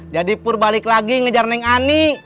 jadi pur balik lagi ngejar neng ani